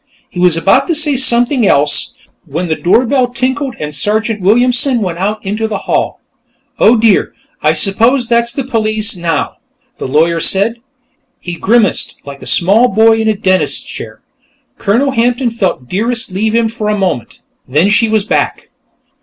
He was about to say something else, when the doorbell tinkled and Sergeant Williamson went out into the hall. "Oh, dear; I suppose that's the police, now," the lawyer said. He grimaced like a small boy in a dentist's chair. Colonel Hampton felt Dearest leave him for a moment. Then she was back.